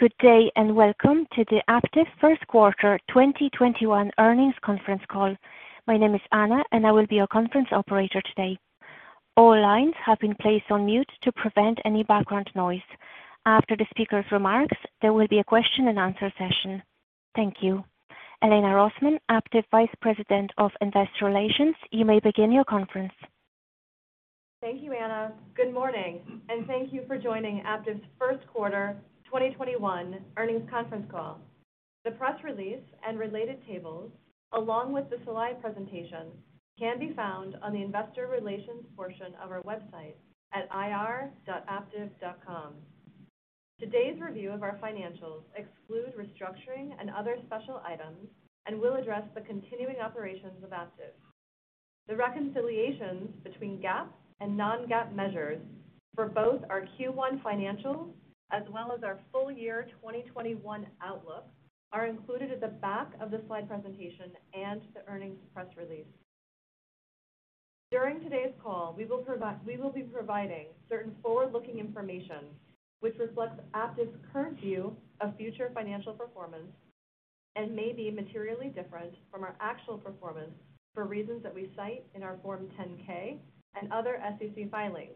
Good day, and welcome to the Aptiv First Quarter 2021 Earnings Conference Call. My name is Anna, and I will be your conference operator today. All lines have been placed on mute to prevent any background noise. After the speaker's remarks, there will be a question and answer session. Thank you. Elena Rosman, Vice President of Investor Relations, Aptiv, you may begin your conference. Thank you, Anna. Good morning, and thank you for joining Aptiv's First Quarter 2021 Earnings Conference Call. The press release and related tables, along with the slide presentation, can be found on the investor relations portion of our website at ir.aptiv.com. Today's review of our financials exclude restructuring and other special items and will address the continuing operations of Aptiv. The reconciliations between GAAP and non-GAAP measures for both our Q1 financials as well as our full year 2021 outlook are included at the back of the slide presentation and the earnings press release. During today's call, we will be providing certain forward-looking information which reflects Aptiv's current view of future financial performance and may be materially different from our actual performance for reasons that we cite in our Form 10-K and other SEC filings,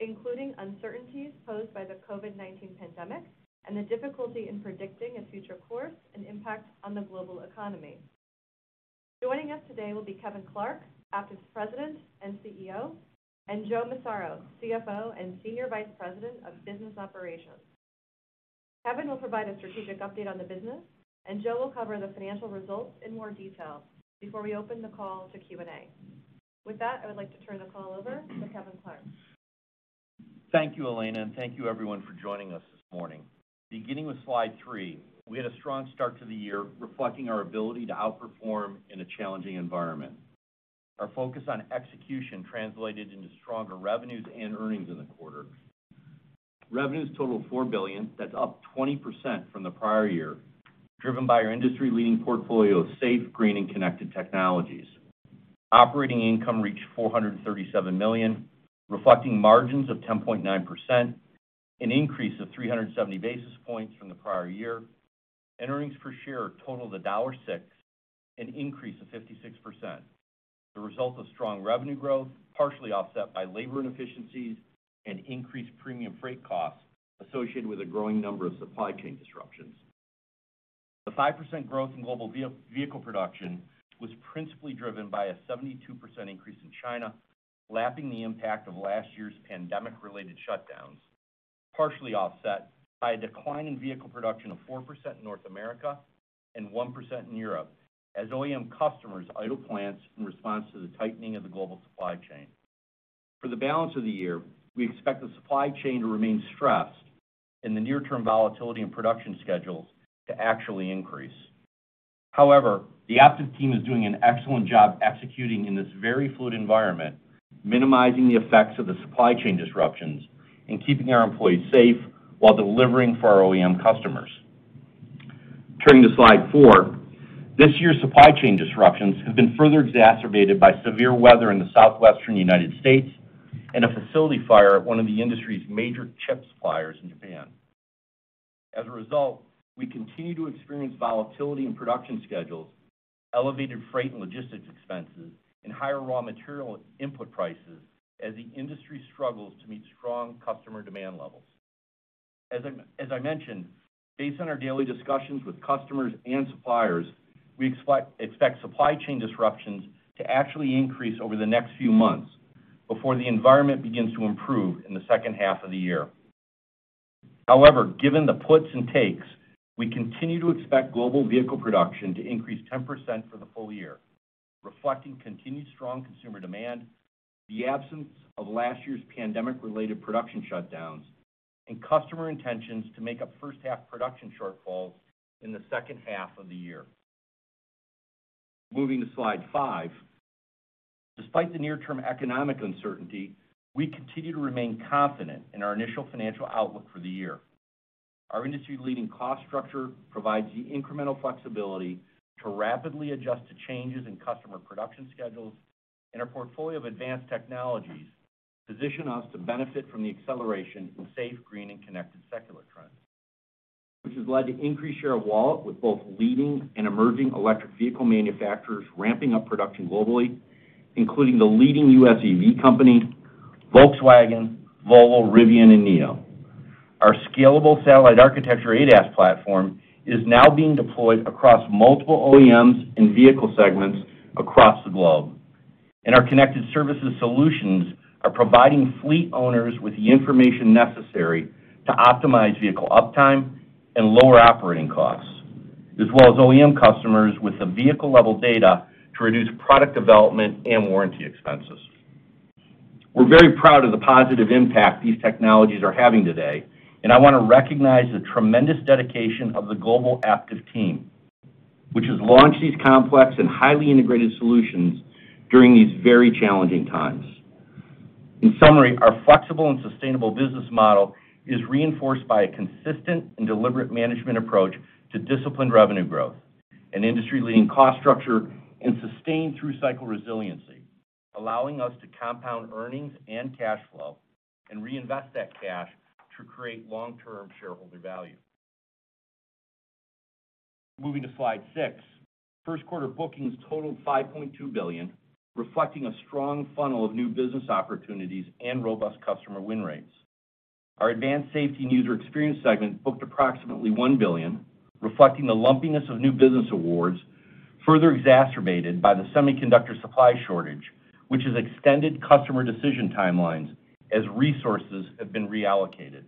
including uncertainties posed by the COVID-19 pandemic and the difficulty in predicting a future course and impact on the global economy. Joining us today will be Kevin Clark, Aptiv's President and CEO, and Joe Massaro, CFO, and Senior Vice President of Business Operations. Kevin will provide a strategic update on the business. Joe will cover the financial results in more detail before we open the call to Q&A. With that, I would like to turn the call over to Kevin Clark. Thank you, Elena, and thank you everyone for joining us this morning. Beginning with slide 3, we had a strong start to the year, reflecting our ability to outperform in a challenging environment. Our focus on execution translated into stronger revenues and earnings in the quarter. Revenues totaled $4 billion. That's up 20% from the prior year, driven by our industry-leading portfolio of safe, green, and connected technologies. Operating income reached $437 million, reflecting margins of 10.9%, an increase of 370 basis points from the prior year. Earnings per share totaled $1.06, an increase of 56%, the result of strong revenue growth, partially offset by labor inefficiencies and increased premium freight costs associated with a growing number of supply chain disruptions. The 5% growth in global vehicle production was principally driven by a 72% increase in China, lapping the impact of last year's pandemic-related shutdowns, partially offset by a decline in vehicle production of 4% in North America and 1% in Europe, as OEM customers idled plants in response to the tightening of the global supply chain. For the balance of the year, we expect the supply chain to remain stressed and the near-term volatility in production schedules to actually increase. The Aptiv team is doing an excellent job executing in this very fluid environment, minimizing the effects of the supply chain disruptions and keeping our employees safe while delivering for our OEM customers. Turning to slide four. This year's supply chain disruptions have been further exacerbated by severe weather in the southwestern U.S. and a facility fire at one of the industry's major chip suppliers in Japan. As a result, we continue to experience volatility in production schedules, elevated freight and logistics expenses, and higher raw material input prices as the industry struggles to meet strong customer demand levels. As I mentioned, based on our daily discussions with customers and suppliers, we expect supply chain disruptions to actually increase over the next few months before the environment begins to improve in the second half of the year. However, given the puts and takes, we continue to expect global vehicle production to increase 10% for the full year, reflecting continued strong consumer demand, the absence of last year's pandemic-related production shutdowns, and customer intentions to make up first half production shortfalls in the second half of the year. Moving to slide 5. Despite the near-term economic uncertainty, we continue to remain confident in our initial financial outlook for the year. Our industry-leading cost structure provides the incremental flexibility to rapidly adjust to changes in customer production schedules, and our portfolio of advanced technologies position us to benefit from the acceleration in safe, green, and connected secular trends, which has led to increased share of wallet with both leading and emerging electric vehicle manufacturers ramping up production globally, including the leading U.S. EV company, Volkswagen, Volvo, Rivian, and NIO. Our scalable Satellite Architecture ADAS platform is now being deployed across multiple OEMs and vehicle segments across the globe. Our connected services solutions are providing fleet owners with the information necessary to optimize vehicle uptime and lower operating costs, as well as OEM customers with the vehicle-level data to reduce product development and warranty expenses. We're very proud of the positive impact these technologies are having today. I want to recognize the tremendous dedication of the global Aptiv team, which has launched these complex and highly integrated solutions during these very challenging times. In summary, our flexible and sustainable business model is reinforced by a consistent and deliberate management approach to disciplined revenue growth, an industry-leading cost structure, and sustained through-cycle resiliency, allowing us to compound earnings and cash flow and reinvest that cash to create long-term shareholder value. Moving to slide 6. First quarter bookings totaled $5.2 billion, reflecting a strong funnel of new business opportunities and robust customer win rates. Our Advanced Safety and User Experience segment booked approximately $1 billion, reflecting the lumpiness of new business awards, further exacerbated by the semiconductor supply shortage, which has extended customer decision timelines as resources have been reallocated.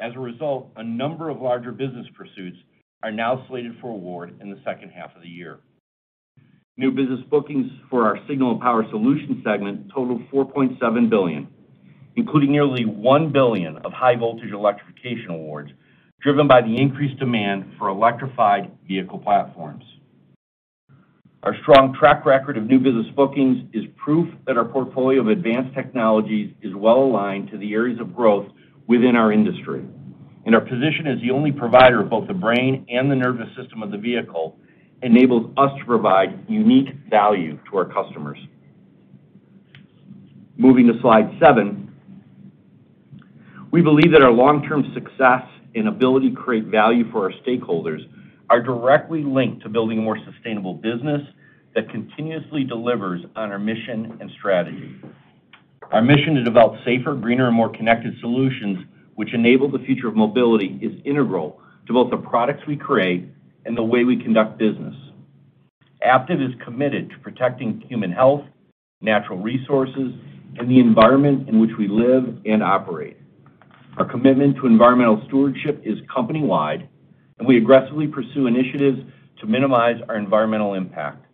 As a result, a number of larger business pursuits are now slated for award in the second half of the year. New business bookings for our Signal and Power Solutions segment totaled $4.7 billion, including nearly $1 billion of high voltage electrification awards, driven by the increased demand for electrified vehicle platforms. Our strong track record of new business bookings is proof that our portfolio of advanced technologies is well-aligned to the areas of growth within our industry. Our position as the only provider of both the brain and the nervous system of the vehicle enables us to provide unique value to our customers. Moving to slide 7. We believe that our long-term success and ability to create value for our stakeholders are directly linked to building a more sustainable business that continuously delivers on our mission and strategy. Our mission to develop safer, greener, and more connected solutions which enable the future of mobility is integral to both the products we create and the way we conduct business. Aptiv is committed to protecting human health, natural resources, and the environment in which we live and operate. Our commitment to environmental stewardship is company-wide, and we aggressively pursue initiatives to minimize our environmental impact.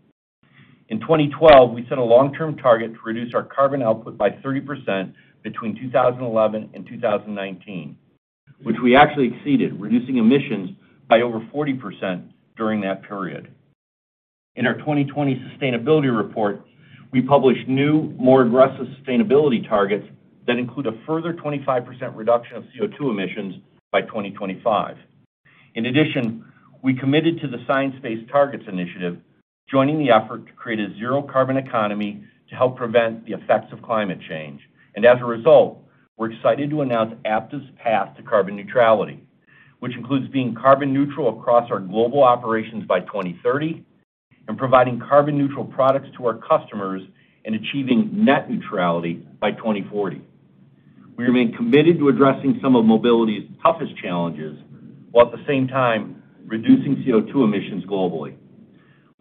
In 2012, we set a long-term target to reduce our carbon output by 30% between 2011 and 2019, which we actually exceeded, reducing emissions by over 40% during that period. In our 2020 sustainability report, we published new, more aggressive sustainability targets that include a further 25% reduction of CO2 emissions by 2025. In addition, we committed to the Science Based Targets initiative, joining the effort to create a zero carbon economy to help prevent the effects of climate change. As a result, we're excited to announce Aptiv's path to carbon neutrality, which includes being carbon neutral across our global operations by 2030 and providing carbon neutral products to our customers and achieving net neutrality by 2040. We remain committed to addressing some of mobility's toughest challenges, while at the same time reducing CO2 emissions globally.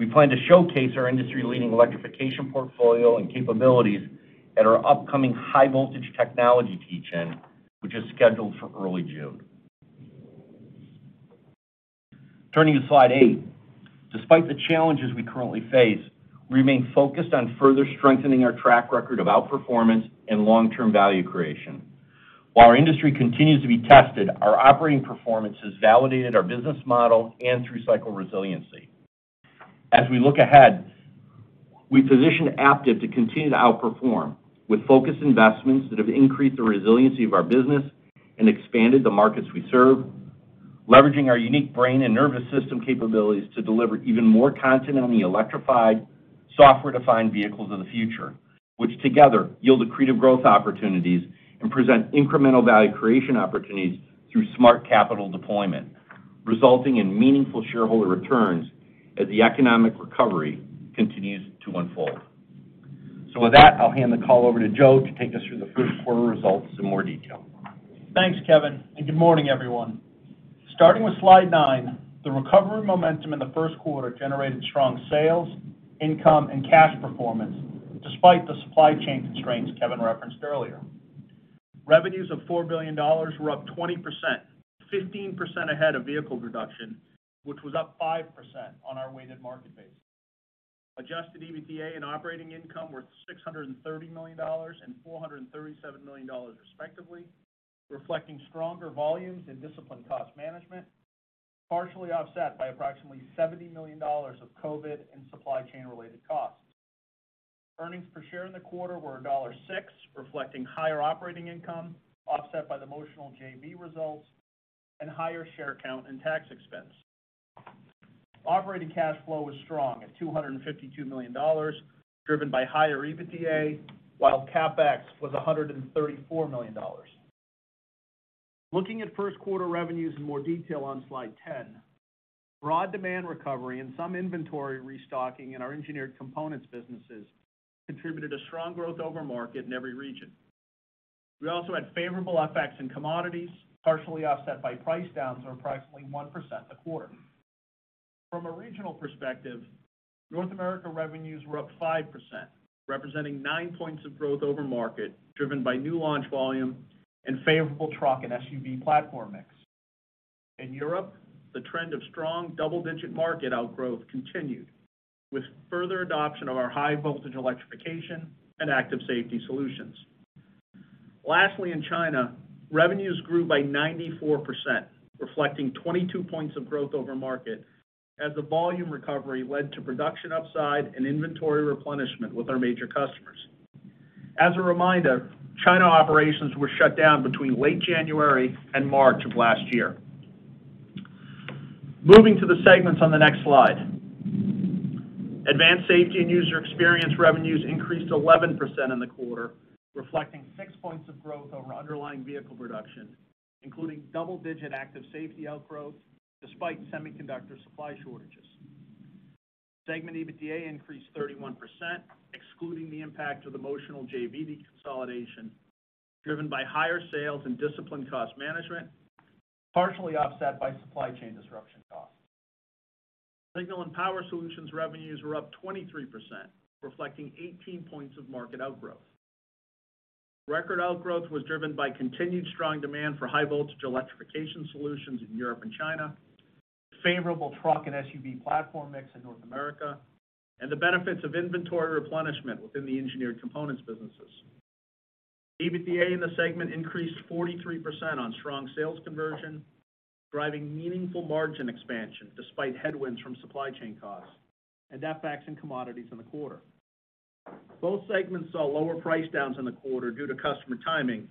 We plan to showcase our industry-leading electrification portfolio and capabilities at our upcoming high voltage technology teach-in, which is scheduled for early June. Turning to slide 8. Despite the challenges we currently face, we remain focused on further strengthening our track record of outperformance and long-term value creation. While our industry continues to be tested, our operating performance has validated our business model and through cycle resiliency. As we look ahead, we position Aptiv to continue to outperform with focused investments that have increased the resiliency of our business and expanded the markets we serve, leveraging our unique brain and nervous system capabilities to deliver even more content on the electrified software-defined vehicles of the future, which together yield accretive growth opportunities and present incremental value creation opportunities through smart capital deployment, resulting in meaningful shareholder returns as the economic recovery continues to unfold. With that, I'll hand the call over to Joe to take us through the first quarter results in more detail. Thanks, Kevin, and good morning, everyone. Starting with slide nine, the recovery momentum in the first quarter generated strong sales, income, and cash performance, despite the supply chain constraints Kevin referenced earlier. Revenues of $4 billion were up 20%, 15% ahead of vehicle production, which was up 5% on our weighted market base. Adjusted EBITDA and operating income were $630 million and $437 million respectively, reflecting stronger volumes in disciplined cost management, partially offset by approximately $70 million of COVID and supply chain-related costs. Earnings per share in the quarter were $1.06, reflecting higher operating income offset by the Motional JV results and higher share count and tax expense. Operating cash flow was strong at $252 million, driven by higher EBITDA, while CapEx was $134 million. Looking at first quarter revenues in more detail on slide 10. Broad demand recovery and some inventory restocking in our engineered components businesses contributed a strong growth over market in every region. We also had favorable effects in commodities, partially offset by price downs of approximately 1% a quarter. From a regional perspective, North America revenues were up 5%, representing nine points of growth over market, driven by new launch volume and favorable truck and SUV platform mix. In Europe, the trend of strong double-digit market outgrowth continued with further adoption of our high voltage electrification and active safety solutions. Lastly, in China, revenues grew by 94%, reflecting 22 points of growth over market as the volume recovery led to production upside and inventory replenishment with our major customers. As a reminder, China operations were shut down between late January and March of last year. Moving to the segments on the next slide. Advanced Safety and User Experience revenues increased 11% in the quarter, reflecting 6 points of growth over underlying vehicle production, including double-digit active safety outgrowth, despite semiconductor supply shortages. Segment EBITDA increased 31%, excluding the impact of the Motional JV deconsolidation, driven by higher sales and disciplined cost management, partially offset by supply chain disruption costs. Signal and Power Solutions revenues were up 23%, reflecting 18 points of market outgrowth. Record outgrowth was driven by continued strong demand for high voltage electrification solutions in Europe and China, favorable truck and SUV platform mix in North America, and the benefits of inventory replenishment within the engineered components businesses. EBITDA in the segment increased 43% on strong sales conversion, driving meaningful margin expansion despite headwinds from supply chain costs and FX and commodities in the quarter. Both segments saw lower price downs in the quarter due to customer timing,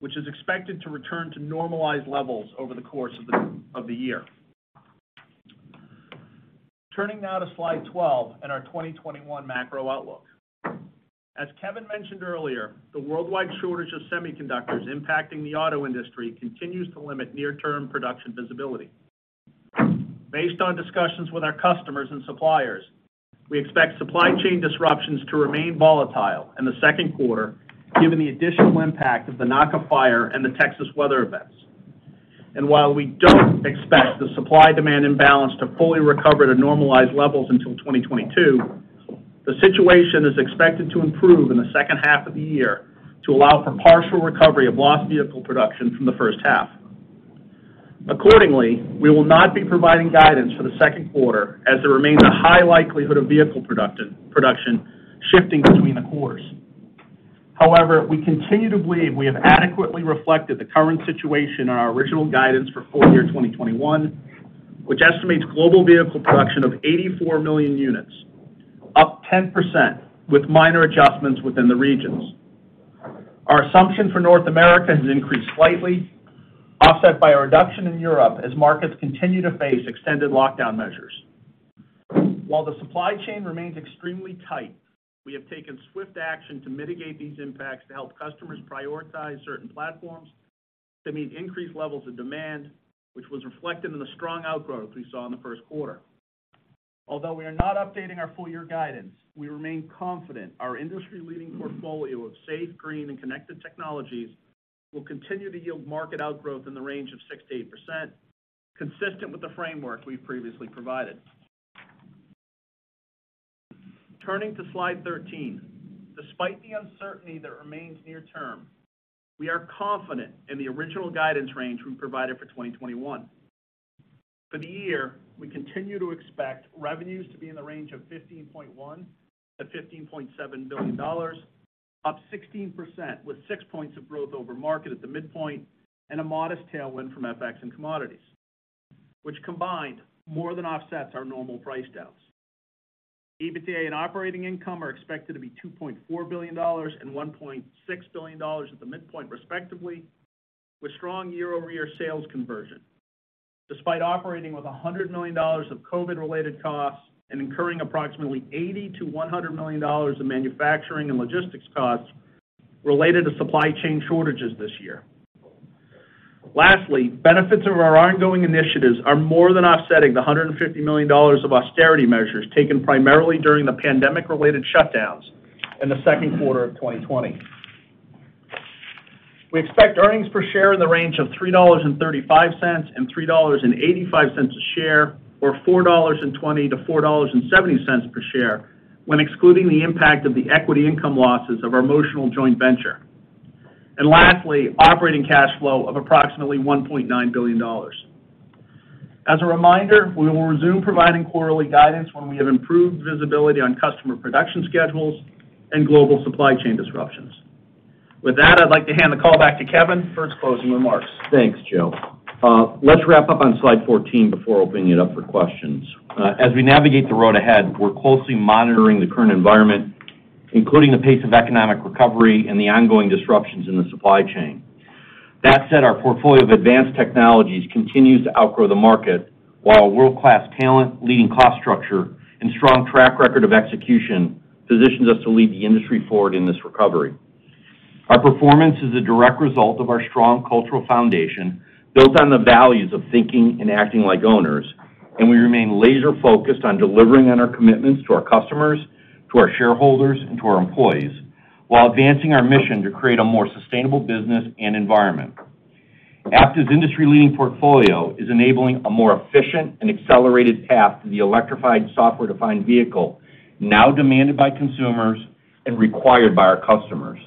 which is expected to return to normalized levels over the course of the year. Turning now to slide 12 and our 2021 macro outlook. As Kevin mentioned earlier, the worldwide shortage of semiconductors impacting the auto industry continues to limit near-term production visibility. Based on discussions with our customers and suppliers, we expect supply chain disruptions to remain volatile in the second quarter, given the additional impact of the Naka fire and the Texas weather events. While we don't expect the supply-demand imbalance to fully recover to normalized levels until 2022, the situation is expected to improve in the second half of the year to allow for partial recovery of lost vehicle production from the first half. Accordingly, we will not be providing guidance for the second quarter as there remains a high likelihood of vehicle production shifting between the quarters. However, we continue to believe we have adequately reflected the current situation in our original guidance for full year 2021, which estimates global vehicle production of 84 million units, up 10%, with minor adjustments within the regions. Our assumption for North America has increased slightly, offset by a reduction in Europe as markets continue to face extended lockdown measures. While the supply chain remains extremely tight, we have taken swift action to mitigate these impacts to help customers prioritize certain platforms to meet increased levels of demand, which was reflected in the strong outgrowth we saw in the first quarter. Although we are not updating our full year guidance, we remain confident our industry-leading portfolio of safe, green, and connected technologies will continue to yield market outgrowth in the range of 6%-8%, consistent with the framework we've previously provided. Turning to slide 13. Despite the uncertainty that remains near term, we are confident in the original guidance range we provided for 2021. For the year, we continue to expect revenues to be in the range of $15.1 billion-$15.7 billion, up 16%, with six points of growth over market at the midpoint and a modest tailwind from FX and commodities, which combined more than offsets our normal price downs. EBITDA and operating income are expected to be $2.4 billion and $1.6 billion at the midpoint respectively, with strong year-over-year sales conversion. Despite operating with $100 million of COVID-related costs and incurring approximately $80 million-$100 million of manufacturing and logistics costs related to supply chain shortages this year. Benefits of our ongoing initiatives are more than offsetting the $150 million of austerity measures taken primarily during the pandemic-related shutdowns in the second quarter of 2020. We expect earnings per share in the range of $3.35 and $3.85 a share, or $4.20-$4.70 per share when excluding the impact of the equity income losses of our Motional joint venture. Operating cash flow of approximately $1.9 billion. As a reminder, we will resume providing quarterly guidance when we have improved visibility on customer production schedules and global supply chain disruptions. With that, I'd like to hand the call back to Kevin for his closing remarks. Thanks, Joe Massaro. Let's wrap up on slide 14 before opening it up for questions. As we navigate the road ahead, we're closely monitoring the current environment, including the pace of economic recovery and the ongoing disruptions in the supply chain. That said, our portfolio of advanced technologies continues to outgrow the market, while world-class talent, leading cost structure, and strong track record of execution positions us to lead the industry forward in this recovery. Our performance is a direct result of our strong cultural foundation built on the values of thinking and acting like owners, and we remain laser-focused on delivering on our commitments to our customers, to our shareholders, and to our employees while advancing our mission to create a more sustainable business and environment. Aptiv's industry-leading portfolio is enabling a more efficient and accelerated path to the electrified software-defined vehicle now demanded by consumers and required by our customers.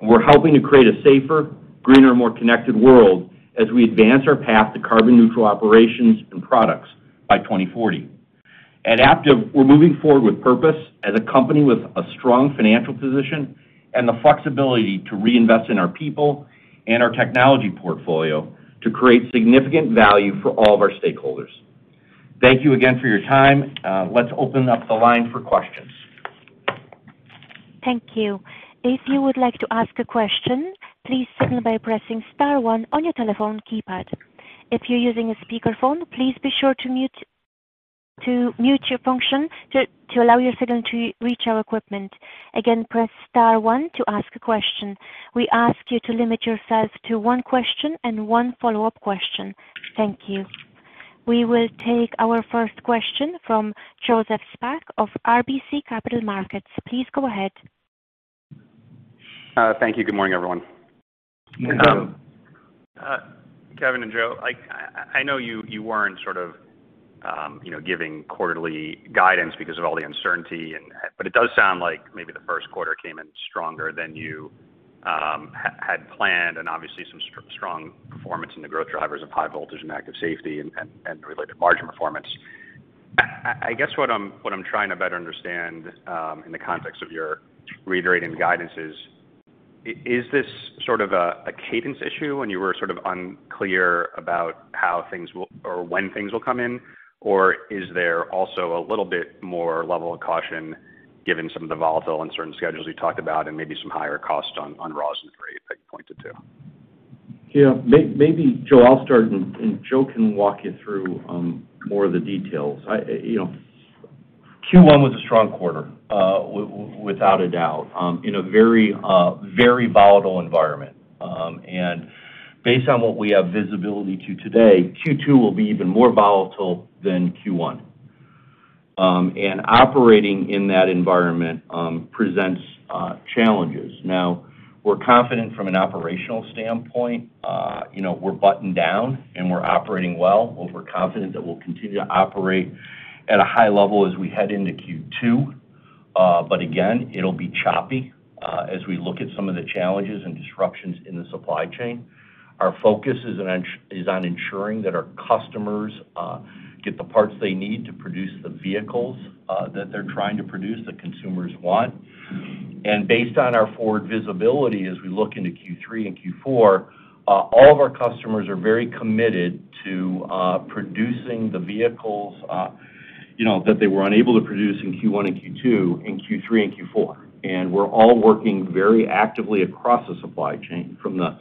We're helping to create a safer, greener, more connected world as we advance our path to carbon-neutral operations and products by 2040. At Aptiv, we're moving forward with purpose as a company with a strong financial position and the flexibility to reinvest in our people and our technology portfolio to create significant value for all of our stakeholders. Thank you again for your time. Let's open up the line for questions. Thank you. If you would like to ask a question, please signal by pressing star one on your telephone keypad. If you're using a speakerphone, please be sure to mute your function to allow your signal to reach our equipment. Again, press star one to ask a question. We ask you to limit yourselves to one question and one follow-up question. Thank you. We will take our first question from Joseph Spak of RBC Capital Markets. Please go ahead. Thank you. Good morning, everyone. Good morning. Kevin and Joe, I know you weren't giving quarterly guidance because of all the uncertainty. It does sound like maybe the first quarter came in stronger than you had planned and obviously some strong performance in the growth drivers of high voltage and active safety and the related margin performance. I guess what I'm trying to better understand, in the context of your reiterating the guidance, is this sort of a cadence issue and you were sort of unclear about how things will or when things will come in? Is there also a little bit more level of caution given some of the volatile uncertain schedules you talked about and maybe some higher costs on raws and freight that you pointed to? Yeah. Maybe, Joe, I'll start. Joe can walk you through more of the details. Q1 was a strong quarter, without a doubt, in a very volatile environment. Based on what we have visibility to today, Q2 will be even more volatile than Q1. Operating in that environment presents challenges. Now, we're confident from an operational standpoint. We're buttoned down, and we're operating well. We're confident that we'll continue to operate at a high level as we head into Q2. Again, it'll be choppy as we look at some of the challenges and disruptions in the supply chain. Our focus is on ensuring that our customers get the parts they need to produce the vehicles that they're trying to produce, the consumers want. Based on our forward visibility, as we look into Q3 and Q4, all of our customers are very committed to producing the vehicles that they were unable to produce in Q1 and Q2, in Q3 and Q4. We're all working very actively across the supply chain, from the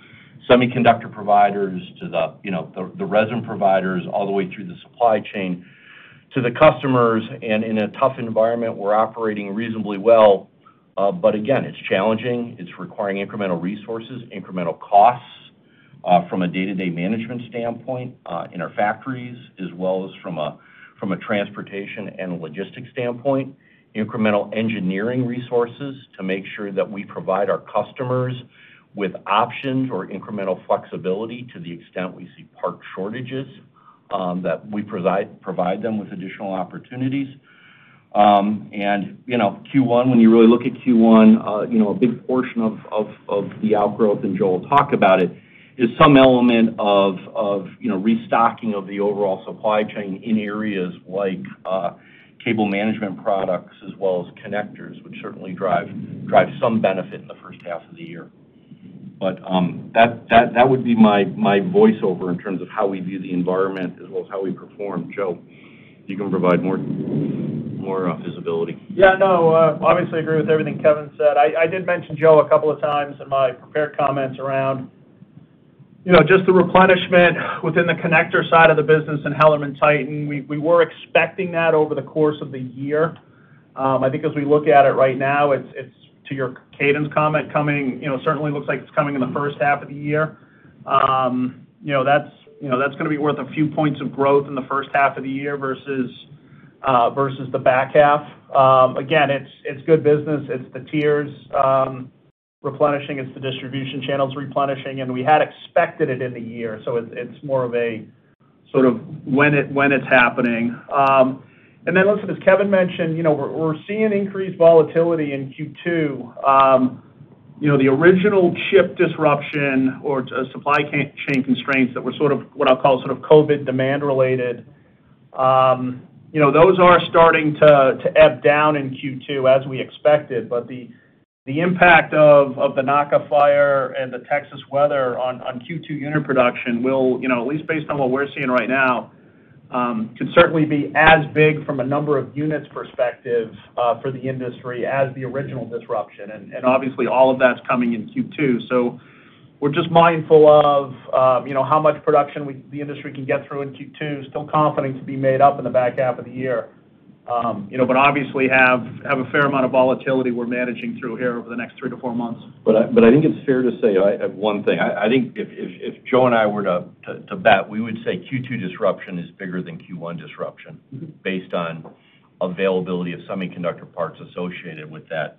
semiconductor providers to the resin providers, all the way through the supply chain to the customers. In a tough environment, we're operating reasonably well. Again, it's challenging. It's requiring incremental resources, incremental costs from a day-to-day management standpoint in our factories as well as from a transportation and a logistics standpoint. Incremental engineering resources to make sure that we provide our customers with options or incremental flexibility to the extent we see part shortages, that we provide them with additional opportunities. Q1, when you really look at Q1, a big portion of the outgrowth, and Joe will talk about it, is some element of restocking of the overall supply chain in areas like cable management products as well as connectors, which certainly drive some benefit in the first half of the year. That would be my voiceover in terms of how we view the environment as well as how we perform. Joe, you can provide more visibility. Yeah, no. Obviously agree with everything Kevin said. I did mention, Joe, a couple of times in my prepared comments around just the replenishment within the connector side of the business in HellermannTyton. We were expecting that over the course of the year. I think as we look at it right now, to your cadence comment, certainly looks like it's coming in the first half of the year. That's going to be worth a few points of growth in the first half of the year versus the back half. Again, it's good business. It's the tiers replenishing, it's the distribution channels replenishing, and we had expected it in the year. It's more of a sort of when it's happening. Listen, as Kevin mentioned, we're seeing increased volatility in Q2. The original chip disruption or supply chain constraints that were sort of what I'll call COVID-19-demand related, those are starting to ebb down in Q2 as we expected. The impact of the Naka fire and the Texas weather on Q2 unit production will, at least based on what we're seeing right now, could certainly be as big from a number of units perspective for the industry as the original disruption. Obviously all of that's coming in Q2. We're just mindful of how much production the industry can get through in Q2, still confident to be made up in the back half of the year. Obviously have a fair amount of volatility we're managing through here over the next three to four months. I think it's fair to say, I have one thing. I think if Joe and I were to bet, we would say Q2 disruption is bigger than Q1 disruption based on availability of semiconductor parts associated with that,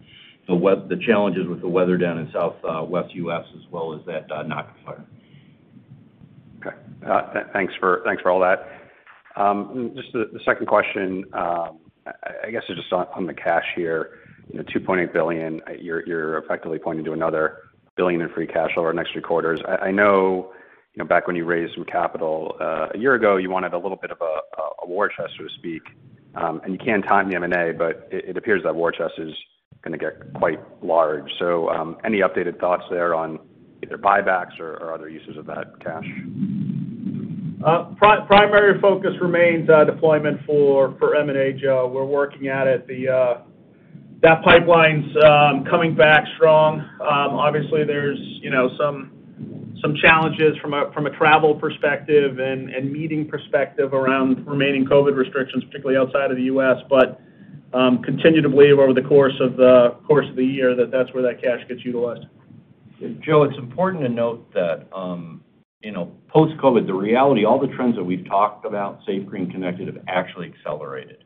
the challenges with the weather down in Southwest U.S. as well as that Naka fire. Okay. Thanks for all that. Just the second question, I guess just on the cash here, $2.8 billion. You're effectively pointing to another $1 billion in free cash over the next few quarters. I know back when you raised some capital, a year ago, you wanted a little bit of a war chest, so to speak. And you can't time the M&A, but it appears that war chest is going to get quite large. Any updated thoughts there on either buybacks or other uses of that cash? Primary focus remains deployment for M&A, Joe. We're working at it. That pipeline's coming back strong. Obviously, there's some challenges from a travel perspective and meeting perspective around remaining COVID restrictions, particularly outside of the U.S. Continue to believe over the course of the year that that's where that cash gets utilized. Joe, it's important to note that post-COVID, the reality, all the trends that we've talked about, safe, green, connected, have actually accelerated.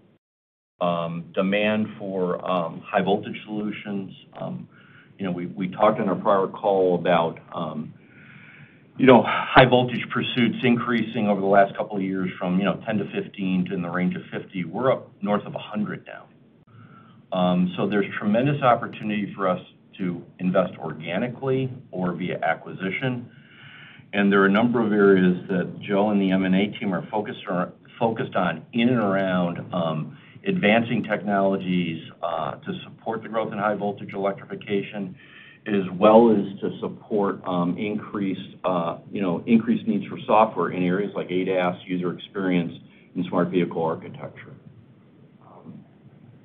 Demand for high voltage solutions. We talked on our prior call about high voltage pursuits increasing over the last couple of years from 10 to 15 to in the range of 50. We're up north of 100 now. There's tremendous opportunity for us to invest organically or via acquisition, and there are a number of areas that Joe and the M&A team are focused on in and around advancing technologies to support the growth in high voltage electrification, as well as to support increased needs for software in areas like ADAS, user experience, and Smart Vehicle Architecture.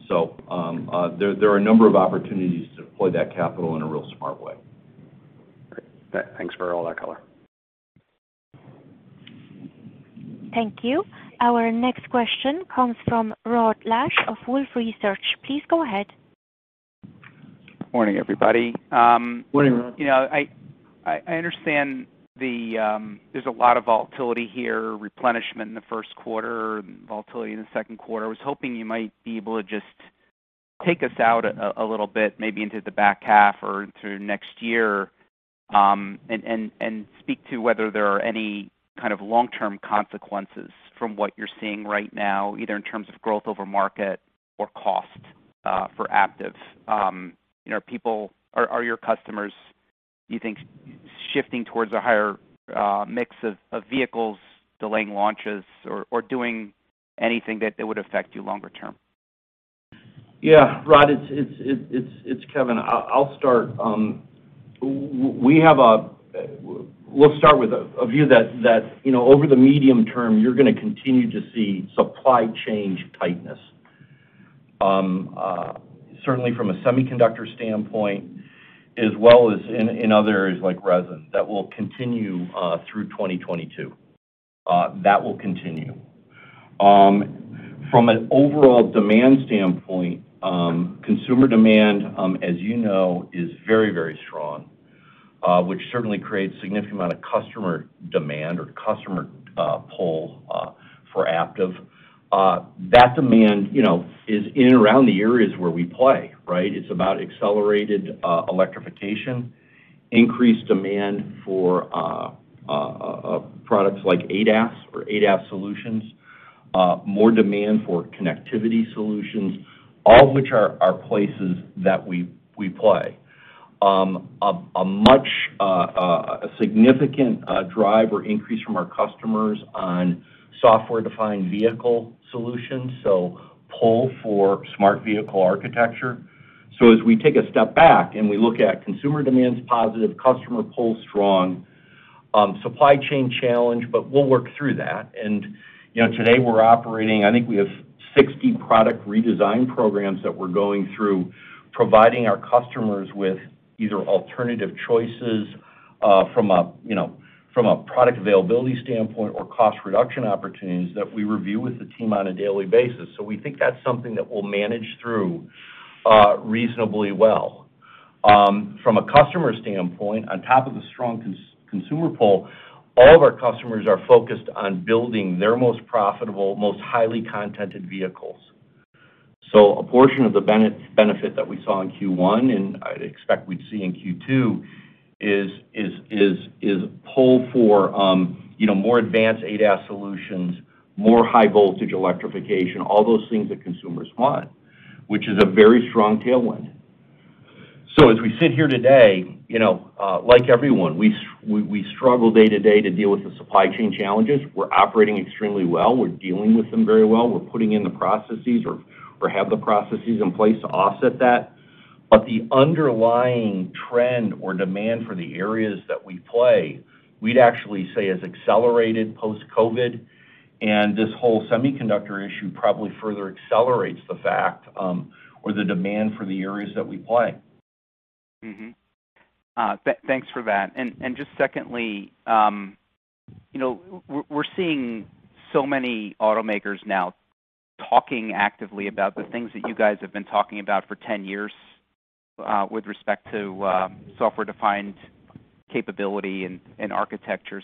There are a number of opportunities to deploy that capital in a real smart way. Great. Thanks for all that color. Thank you. Our next question comes from Rod Lache of Wolfe Research. Please go ahead. Morning, everybody. Morning, Rod. I understand there's a lot of volatility here, replenishment in the first quarter, volatility in the second quarter. I was hoping you might be able to just take us out a little bit, maybe into the back half or into next year, and speak to whether there are any kind of long-term consequences from what you're seeing right now, either in terms of growth over market or cost for Aptiv. Are your customers, you think, shifting towards a higher mix of vehicles, delaying launches or doing anything that would affect you longer term? Yeah. Rod, it's Kevin. I'll start. We'll start with a view that over the medium term, you're going to continue to see supply chain tightness. Certainly from a semiconductor standpoint, as well as in other areas like resin, that will continue through 2022. That will continue. From an overall demand standpoint, consumer demand, as you know, is very strong, which certainly creates a significant amount of customer demand or customer pull for Aptiv. That demand is in and around the areas where we play. It's about accelerated electrification, increased demand for products like ADAS or ADAS solutions, more demand for connectivity solutions, all of which are places that we play. A significant drive or increase from our customers on software-defined vehicle solutions, so pull for Smart Vehicle Architecture. As we take a step back and we look at consumer demand's positive, customer pull's strong, supply chain challenge, but we'll work through that. Today we're operating, I think we have 60 product redesign programs that we're going through, providing our customers with either alternative choices from a product availability standpoint or cost reduction opportunities that we review with the team on a daily basis. We think that's something that we'll manage through reasonably well. From a customer standpoint, on top of the strong consumer pull, all of our customers are focused on building their most profitable, most highly contented vehicles. A portion of the benefit that we saw in Q1, and I'd expect we'd see in Q2, is pull for more advanced ADAS solutions, more high voltage electrification, all those things that consumers want, which is a very strong tailwind. As we sit here today, like everyone, we struggle day to day to deal with the supply chain challenges. We're operating extremely well. We're dealing with them very well. We're putting in the processes or have the processes in place to offset that. But the underlying trend or demand for the areas that we play, we'd actually say has accelerated post-COVID, and this whole semiconductor issue probably further accelerates the fact or the demand for the areas that we play. Mm-hmm. Thanks for that. Just secondly, we're seeing so many automakers now talking actively about the things that you guys have been talking about for 10 years with respect to software-defined capability and architectures.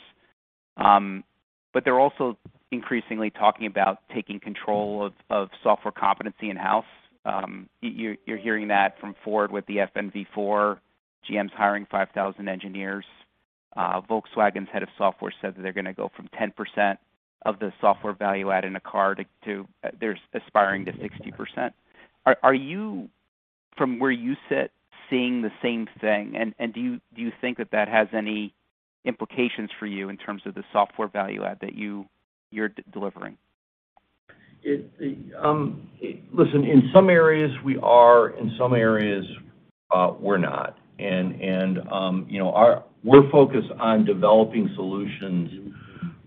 They're also increasingly talking about taking control of software competency in-house. You're hearing that from Ford with the FNV4, GM's hiring 5,000 engineers. Volkswagen's head of software said that they're going to go from 10% of the software value add in a car to they're aspiring to 60%. Are you, from where you sit, seeing the same thing, and do you think that that has any implications for you in terms of the software value add that you're delivering? Listen, in some areas we are, in some areas we're not. We're focused on developing solutions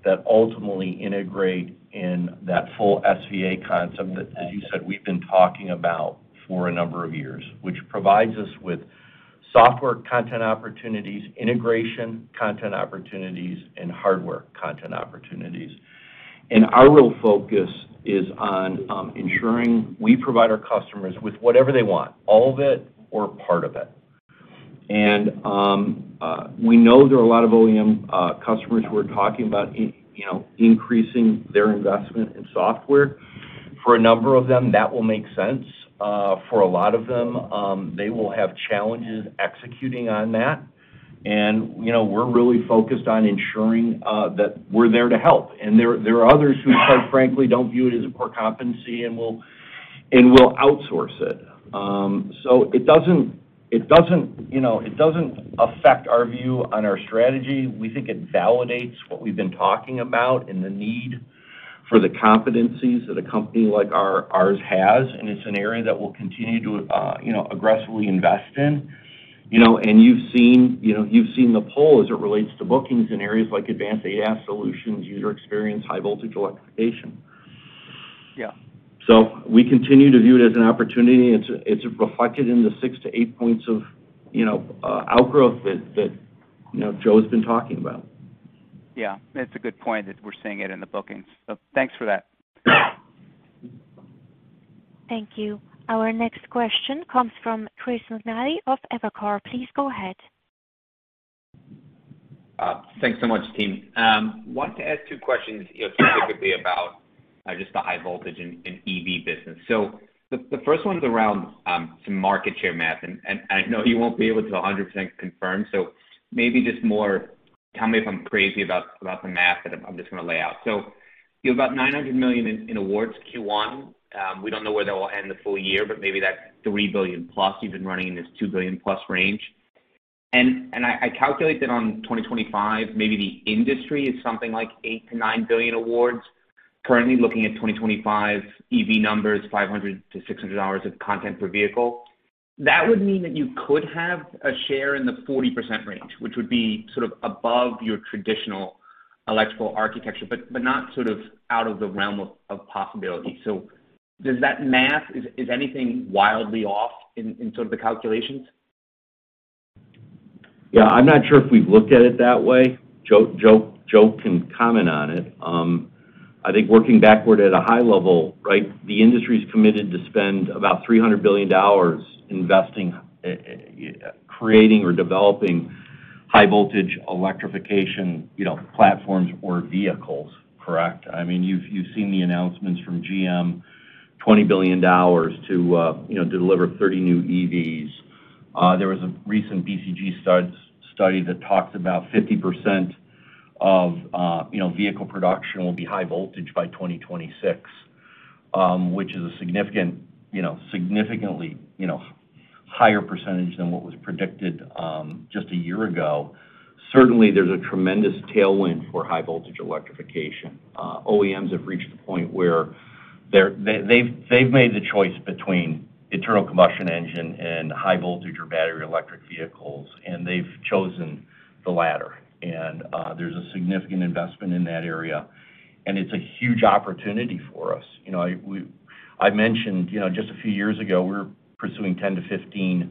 that ultimately integrate in that full SVA concept that, as you said, we've been talking about for a number of years, which provides us with software content opportunities, integration content opportunities, and hardware content opportunities. Our real focus is on ensuring we provide our customers with whatever they want, all of it or part of it. We know there are a lot of OEM customers who are talking about increasing their investment in software. For a number of them, that will make sense. For a lot of them, they will have challenges executing on that, and we're really focused on ensuring that we're there to help. There are others who, quite frankly, don't view it as a core competency and will outsource it. It doesn't affect our view on our strategy. We think it validates what we've been talking about and the need for the competencies that a company like ours has, and it's an area that we'll continue to aggressively invest in. You've seen the pull as it relates to bookings in areas like advanced ADAS solutions, user experience, high voltage electrification. Yeah. We continue to view it as an opportunity. It's reflected in the 6-8 points of outgrowth that Joe's been talking about. Yeah. That's a good point, that we're seeing it in the bookings. Thanks for that. Thank you. Our next question comes from Chris McNally of Evercore. Please go ahead. Thanks so much, team. Wanted to ask two questions specifically about just the high voltage and EV business. The first one's around some market share math, and I know you won't be able to 100% confirm, maybe just more tell me if I'm crazy about the math that I'm just going to lay out. You have about $900 million in awards Q1. We don't know where that will end the full year, but maybe that's $3 billion+ you've been running in this $2 billion+ range. I calculate that on 2025, maybe the industry is something like $8 billion-$9 billion awards. Currently looking at 2025 EV numbers, $500-$600 of content per vehicle. That would mean that you could have a share in the 40% range, which would be sort of above your traditional electrical architecture, but not sort of out of the realm of possibility. Does that math, is anything wildly off in sort of the calculations? Yeah, I'm not sure if we've looked at it that way. Joe can comment on it. I think working backward at a high level, the industry's committed to spend about $300 billion investing, creating, or developing high voltage electrification platforms or vehicles. Correct? You've seen the announcements from GM, $20 billion to deliver 30 new EVs. There was a recent BCG study that talks about 50% of vehicle production will be high voltage by 2026, which is a significantly higher percentage than what was predicted just a year ago. Certainly, there's a tremendous tailwind for high voltage electrification. OEMs have reached a point where they've made the choice between internal combustion engine and high voltage or battery electric vehicles, and they've chosen the latter. There's a significant investment in that area, and it's a huge opportunity for us. I mentioned just a few years ago, we were pursuing 10-15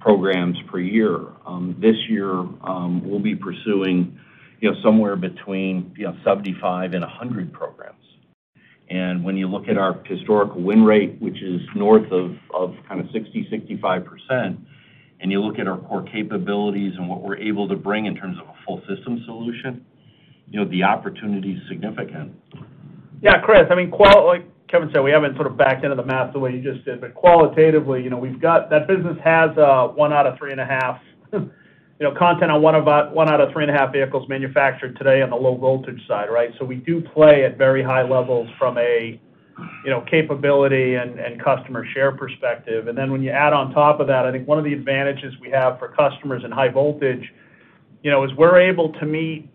programs per year. This year, we'll be pursuing somewhere between 75 and 100 programs. When you look at our historical win rate, which is north of kind of 60%, 65%, and you look at our core capabilities and what we're able to bring in terms of a full system solution, the opportunity's significant. Yeah, Chris, like Kevin said, we haven't sort of backed into the math the way you just did, but qualitatively, that business has one out of 3.5, content on one out of 3.5 vehicles manufactured today on the low voltage side, right? So we do play at very high levels from a capability and customer share perspective. And then when you add on top of that, I think one of the advantages we have for customers in high voltage, is we're able to meet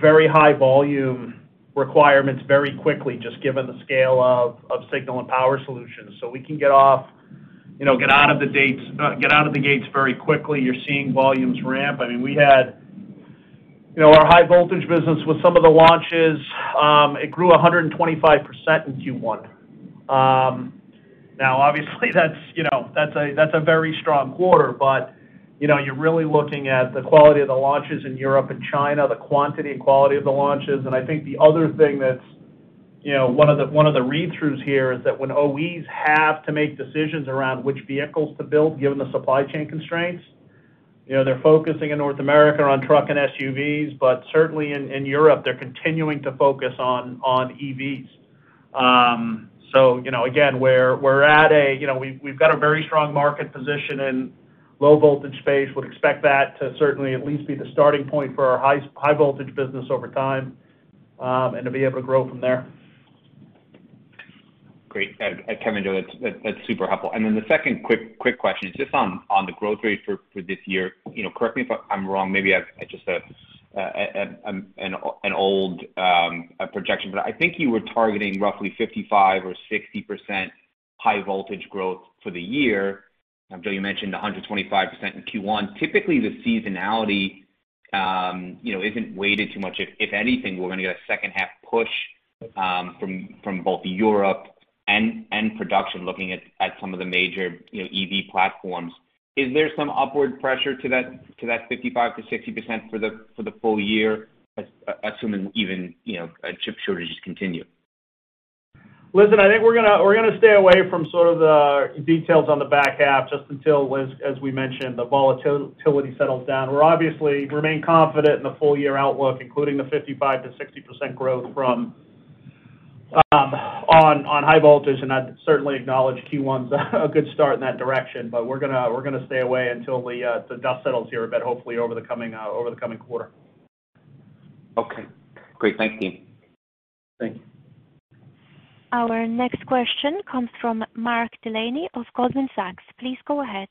very high volume requirements very quickly just given the scale of Signal and Power Solutions. So we can get out of the gates very quickly. You're seeing volumes ramp. Our high voltage business with some of the launches, it grew 125% in Q1. Obviously that's a very strong quarter, but you're really looking at the quality of the launches in Europe and China, the quantity and quality of the launches. I think the other thing that's one of the read-throughs here is that when OEs have to make decisions around which vehicles to build, given the supply chain constraints, they're focusing in North America on truck and SUVs, but certainly in Europe, they're continuing to focus on EVs. Again, we've got a very strong market position in low voltage space. Would expect that to certainly at least be the starting point for our high voltage business over time, and to be able to grow from there. Great. Kevin, Joe, that's super helpful. The second quick question is just on the growth rate for this year. Correct me if I'm wrong, maybe I just have an old projection, but I think you were targeting roughly 55% or 60% high voltage growth for the year. Joe, you mentioned 125% in Q1. Typically, the seasonality isn't weighted too much. If anything, we're going to get a second half push from both Europe and production looking at some of the major EV platforms. Is there some upward pressure to that 55%-60% for the full year, assuming even chip shortages continue? I think we're going to stay away from sort of the details on the back half just until, as we mentioned, the volatility settles down. We're obviously remain confident in the full-year outlook, including the 55%-60% growth on high voltage, and I'd certainly acknowledge Q1 is a good start in that direction. We're going to stay away until the dust settles here a bit, hopefully over the coming quarter. Okay, great. Thank you. Thank you. Our next question comes from Mark Delaney of Goldman Sachs. Please go ahead.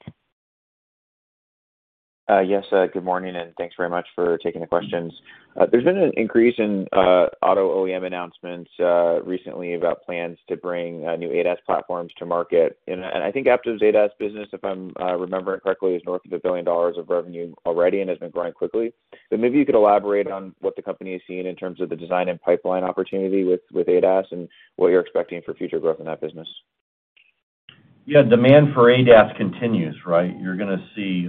Yes, good morning and thanks very much for taking the questions. There's been an increase in auto OEM announcements recently about plans to bring new ADAS platforms to market. I think Aptiv's ADAS business, if I'm remembering correctly, is north of $1 billion of revenue already and has been growing quickly. Maybe you could elaborate on what the company is seeing in terms of the design and pipeline opportunity with ADAS and what you're expecting for future growth in that business. Demand for ADAS continues, right? You're gonna see,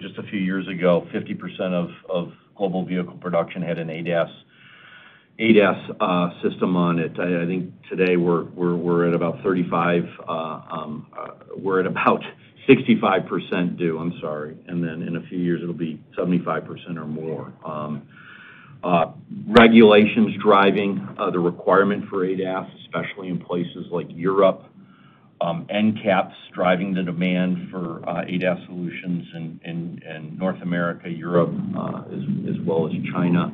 just a few years ago, 50% of global vehicle production had an ADAS system on it. I think today we're at about 65% do. I'm sorry. Then in a few years, it'll be 75% or more. Regulations driving the requirement for ADAS, especially in places like Europe. NCAP's driving the demand for ADAS solutions in North America, Europe, as well as China.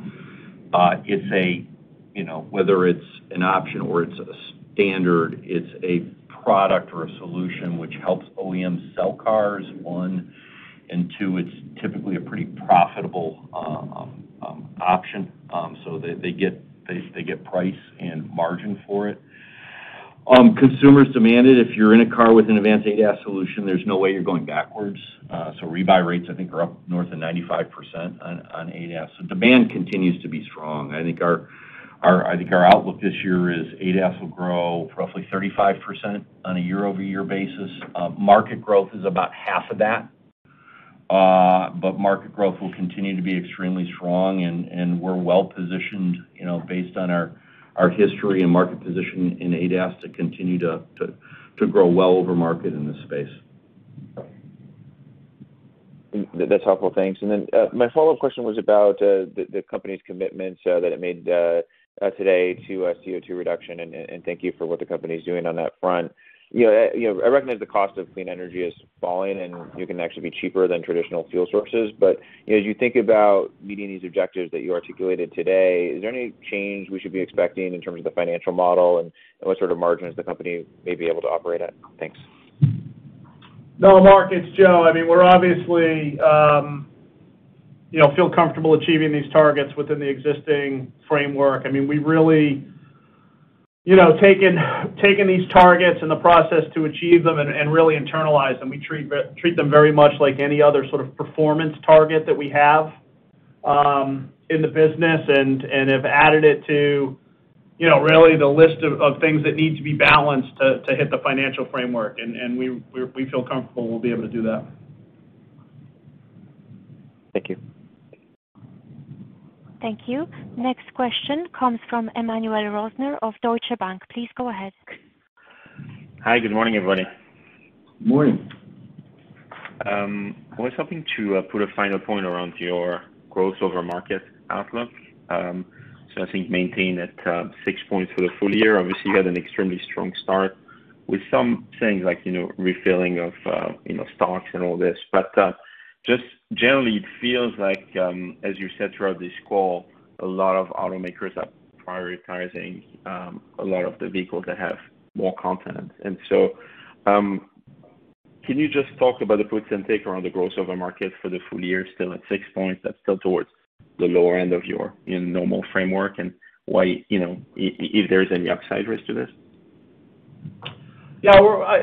Whether it's an option or it's a standard, it's a product or a solution which helps OEMs sell cars, one, and two, it's typically a pretty profitable option. They get price and margin for it. Consumers demand it. If you're in a car with an advanced ADAS solution, there's no way you're going backwards. Rebuy rates, I think are up north of 95% on ADAS. Demand continues to be strong. I think our outlook this year is ADAS will grow roughly 35% on a year-over-year basis. Market growth is about half of that. Market growth will continue to be extremely strong and we're well-positioned based on our history and market position in ADAS to continue to grow well over market in this space. That's helpful, thanks. Then my follow-up question was about the company's commitment that it made today to CO2 reduction, and thank you for what the company is doing on that front. I recognize the cost of clean energy is falling and you can actually be cheaper than traditional fuel sources. As you think about meeting these objectives that you articulated today, is there any change we should be expecting in terms of the financial model and what sort of margins the company may be able to operate at? Thanks. No, Mark, it's Joe. I mean, we obviously feel comfortable achieving these targets within the existing framework. We've really taken these targets and the process to achieve them and really internalize them. We treat them very much like any other sort of performance target that we have in the business and have added it to really the list of things that need to be balanced to hit the financial framework. We feel comfortable we'll be able to do that. Thank you. Thank you. Next question comes from Emmanuel Rosner of Deutsche Bank. Please go ahead. Hi. Good morning, everybody. Morning. I was hoping to put a final point around your growth over market outlook. I think maintained at six points for the full year. Obviously, you had an extremely strong start with some things like refilling of stocks and all this. Just generally, it feels like as you said throughout this call, a lot of automakers are prioritizing a lot of the vehicles that have more content. Can you just talk about the puts and take around the growth over market for the full year still at six points? That's still towards the lower end of your normal framework and if there's any upside risk to this? Yeah.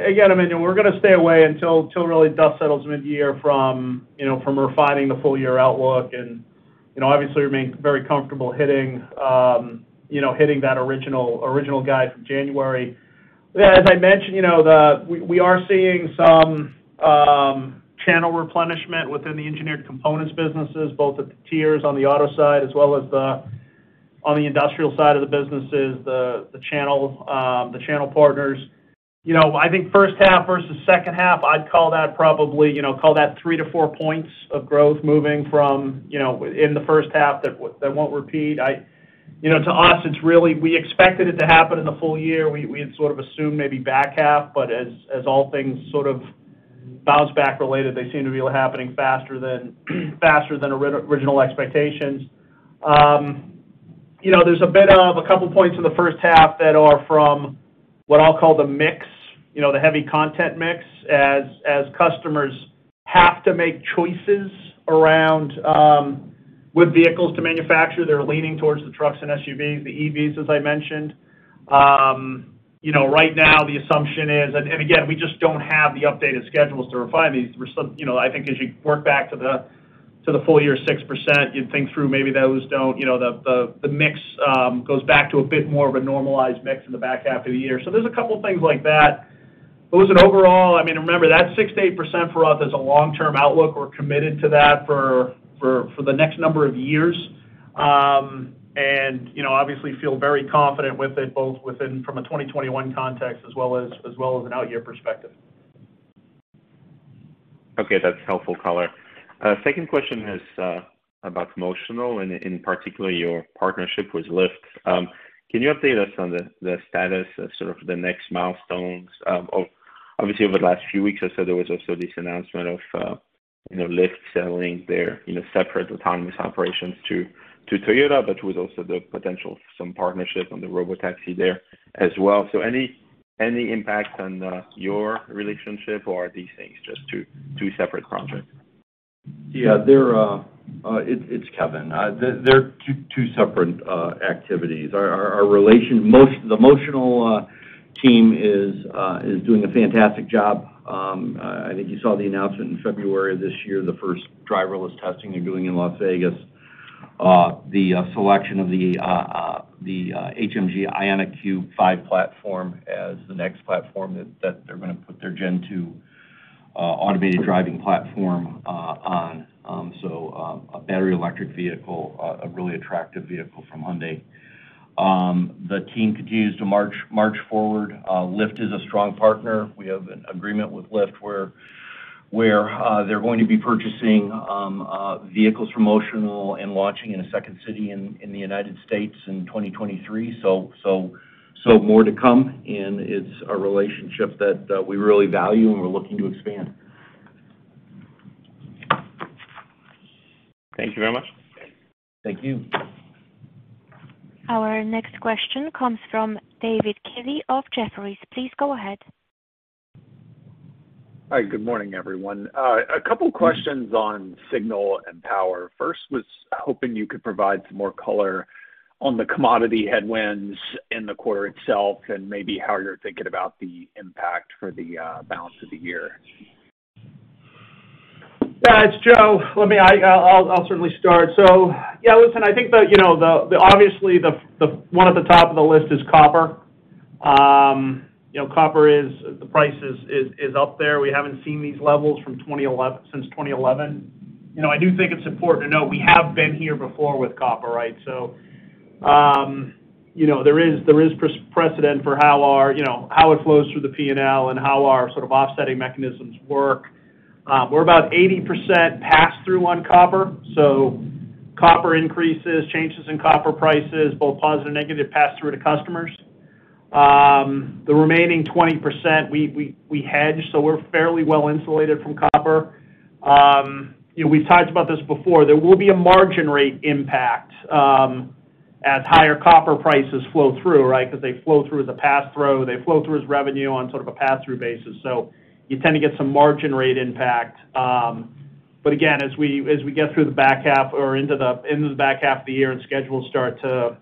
Again, I mean, we're going to stay away until really dust settles mid-year from refining the full-year outlook and obviously remain very comfortable hitting that original guide from January. As I mentioned, we are seeing some channel replenishment within the engineered components businesses, both at the tiers on the auto side as well as on the industrial side of the businesses, the channel partners. I think first half versus second half, I'd call that 3-4 points of growth moving from in the first half that won't repeat. To us, we expected it to happen in the full year. We had sort of assumed maybe back half, but as all things sort of bounce back related, they seem to be happening faster than original expectations. There's a bit of a couple points in the first half that are from what I'll call the mix, the heavy content mix, as customers have to make choices around which vehicles to manufacture. They're leaning towards the trucks and SUVs, the EVs, as I mentioned. Right now, the assumption is, and again, we just don't have the updated schedules to refine these. I think as you work back to the full year 6%, you'd think through maybe the mix goes back to a bit more of a normalized mix in the back half of the year. There's a couple of things like that. Listen, overall, remember, that 6% to 8% for us is a long-term outlook. We're committed to that for the next number of years. Obviously feel very confident with it, both from a 2021 context as well as an out-year perspective. Okay, that's helpful color. Second question is about Motional, and in particular, your partnership with Lyft. Can you update us on the status of the next milestones? Obviously, over the last few weeks or so, there was also this announcement of Lyft selling their separate autonomous operations to Toyota, but with also the potential some partnership on the robotaxi there as well. Any impact on your relationship, or are these things just two separate projects? It's Kevin. They're two separate activities. The Motional team is doing a fantastic job. I think you saw the announcement in February of this year, the first driverless testing they're doing in Las Vegas. The selection of the HMG IONIQ 5 platform as the next platform that they're going to put their Gen 2 automated driving platform on. A battery electric vehicle, a really attractive vehicle from Hyundai. The team continues to march forward. Lyft is a strong partner. We have an agreement with Lyft where they're going to be purchasing vehicles from Motional and launching in a second city in the U.S. in 2023. More to come, and it's a relationship that we really value and we're looking to expand. Thank you very much. Thank you. Our next question comes from David Kelley of Jefferies. Please go ahead. Hi. Good morning, everyone. A couple questions on Signal and Power. First, was hoping you could provide some more color on the commodity headwinds in the quarter itself and maybe how you're thinking about the impact for the balance of the year. Yeah, it's Joe. I'll certainly start. Yeah, listen, I think that obviously one at the top of the list is copper. Copper, the price is up there. We haven't seen these levels since 2011. I do think it's important to note we have been here before with copper, right? There is precedent for how it flows through the P&L and how our offsetting mechanisms work. We're about 80% pass-through on copper. Copper increases, changes in copper prices, both positive, negative, pass through to customers. The remaining 20%, we hedge, so we're fairly well insulated from copper. We've talked about this before. There will be a margin rate impact as higher copper prices flow through, right? Because they flow through as a pass-through. They flow through as revenue on sort of a pass-through basis. You tend to get some margin rate impact. Again, as we get through the back half or into the back half of the year and schedules start to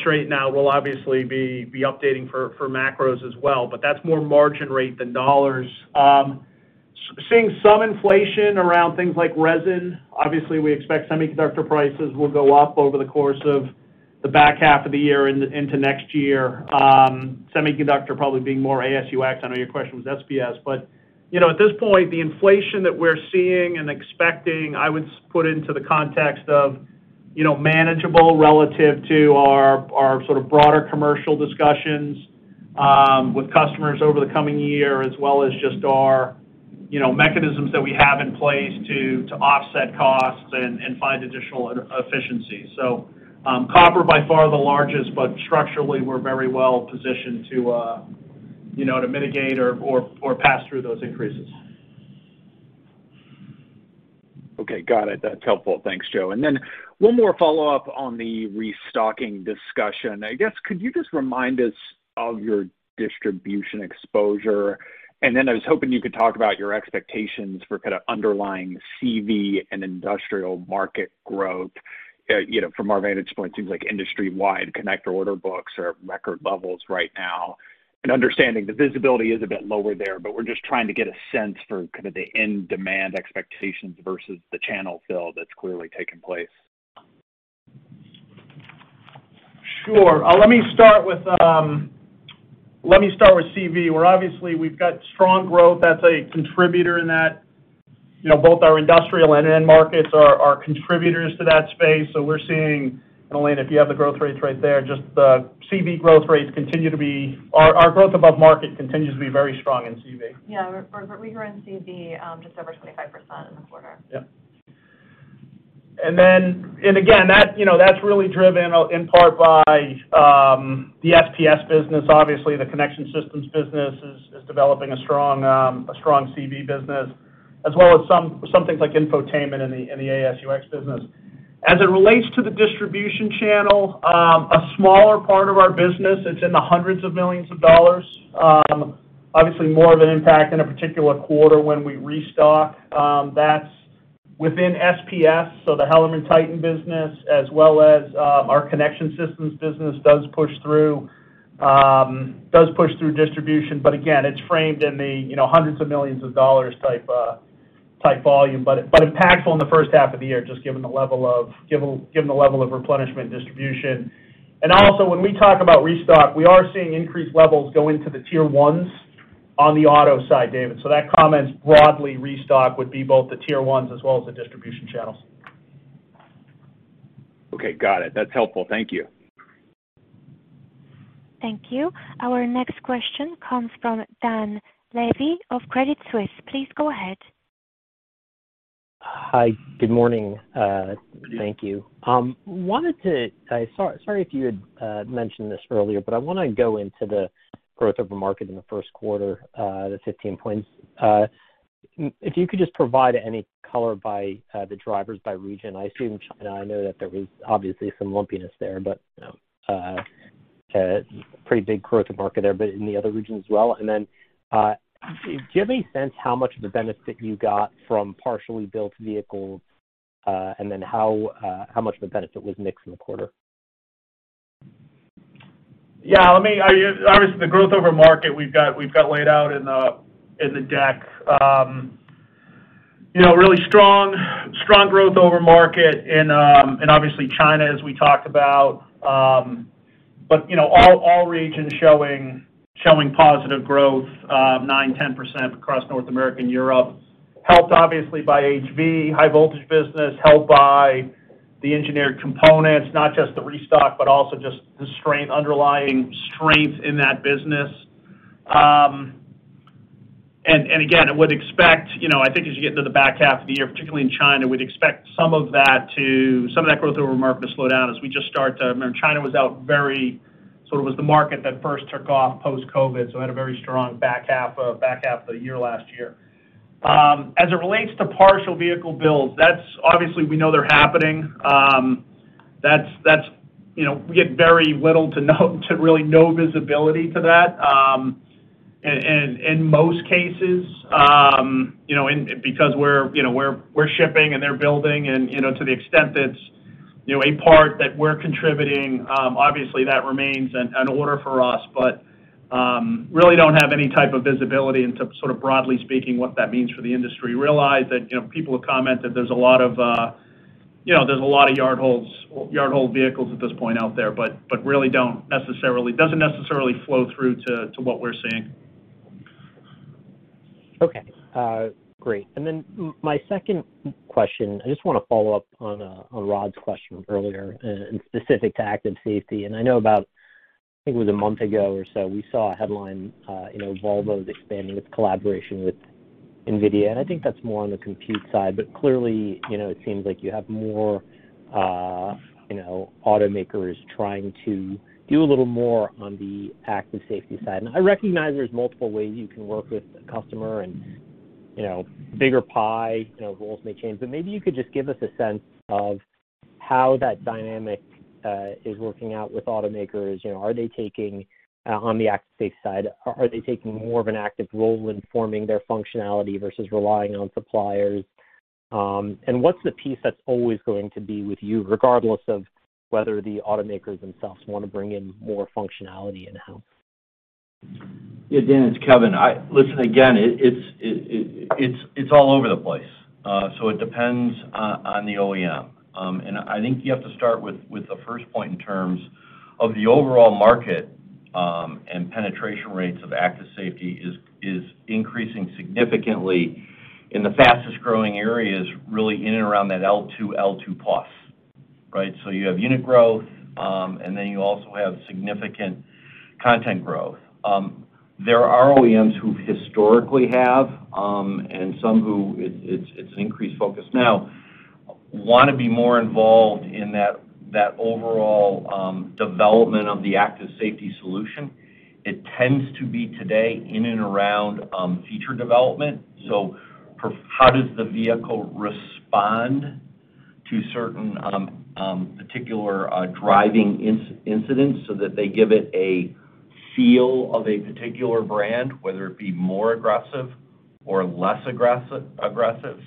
straighten out, we'll obviously be updating for macros as well. That's more margin rate than dollars. Seeing some inflation around things like resin. Obviously, we expect semiconductor prices will go up over the course of the back half of the year into next year. Semiconductor probably being more AS&UX. I know your question was SPS. At this point, the inflation that we're seeing and expecting, I would put into the context of manageable relative to our sort of broader commercial discussions with customers over the coming year, as well as just our mechanisms that we have in place to offset costs and find additional efficiencies. Copper by far the largest, but structurally, we're very well positioned to mitigate or pass through those increases. Okay, got it. That's helpful. Thanks, Joe. One more follow-up on the restocking discussion. I guess, could you just remind us of your distribution exposure? I was hoping you could talk about your expectations for kind of underlying CV and industrial market growth. From our vantage point, it seems like industry-wide connector order books are at record levels right now. Understanding the visibility is a bit lower there, but we're just trying to get a sense for kind of the end demand expectations versus the channel fill that's clearly taken place. Sure. Let me start with CV, where obviously we've got strong growth. That's a contributor in that both our industrial and end markets are contributors to that space. We're seeing, and Elena, if you have the growth rates right there. Our growth above market continues to be very strong in CV. Yeah. We're hearing CV just over 25% in the quarter. Yep. Again, that's really driven in part by the SPS business. Obviously, the connection systems business is developing a strong CV business, as well as some things like infotainment in the AS&UX business. As it relates to the distribution channel, a smaller part of our business, it's in the hundreds of millions of dollars. Obviously more of an impact in a particular quarter when we restock. That's within SPS, so the HellermannTyton business as well as our connection systems business does push through distribution. Again, it's framed in the hundreds of millions of dollars type volume. Impactful in the first half of the year, just given the level of replenishment distribution. Also, when we talk about restock, we are seeing increased levels go into the tier 1s on the auto side, David. That comment's broadly restock would be both the tier 1s as well as the distribution channels. Okay. Got it. That's helpful. Thank you. Thank you. Our next question comes from Dan Levy of Credit Suisse. Please go ahead. Hi, good morning. Good morning. Thank you. Sorry if you had mentioned this earlier. I want to go into the growth of the market in the first quarter, the 15 points. If you could just provide any color by the drivers by region? I assume China. I know that there was obviously some lumpiness there, pretty big growth of market there, in the other regions as well. Do you have any sense how much of the benefit you got from partially built vehicles? How much of the benefit was mixed in the quarter? Yeah. Obviously, the growth over market we've got laid out in the deck, really strong growth over market in obviously China, as we talked about. All regions showing positive growth 9%, 10% across North America and Europe, helped obviously by HV, high voltage business, helped by the engineered components, not just the restock, but also just the underlying strength in that business. Again, I think as you get into the back half of the year, particularly in China, we'd expect some of that growth over market to slow down. It was the market that first took off post-COVID-19, so it had a very strong back half of the year last year. As it relates to partial vehicle builds, obviously, we know they're happening. We get very little to really no visibility to that in most cases because we're shipping and they're building and to the extent that a part that we're contributing, obviously that remains an order for us. Really don't have any type of visibility into sort of broadly speaking what that means for the industry. Realize that people have commented there's a lot of yard-held vehicles at this point out there, but really doesn't necessarily flow through to what we're seeing. Okay. Great. My second question, I just want to follow up on Rod's question from earlier, specific to active safety. I know about, I think it was a month ago or so, we saw a headline, Volvo's expanding its collaboration with NVIDIA, and I think that's more on the compute side, but clearly, it seems like you have more automakers trying to do a little more on the active safety side. I recognize there's multiple ways you can work with a customer and bigger pie, roles may change, but maybe you could just give us a sense of how that dynamic is working out with automakers. On the active safety side, are they taking more of an active role in forming their functionality versus relying on suppliers? What's the piece that's always going to be with you, regardless of whether the automakers themselves want to bring in more functionality in-house? Yeah, Dan, it's Kevin. Listen, again, it's all over the place. It depends on the OEM. I think you have to start with the first point in terms of the overall market, and penetration rates of active safety is increasing significantly in the fastest-growing areas, really in and around that L2+. Right? You have unit growth, and then you also have significant content growth. There are OEMs who historically have, and some who it's an increased focus now, want to be more involved in that overall development of the active safety solution. It tends to be today in and around feature development. How does the vehicle respond to certain particular driving incidents so that they give it a feel of a particular brand, whether it be more aggressive or less aggressive?